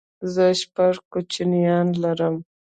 زه شپږ کوچنيان لرم